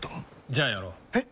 じゃあやろう。え？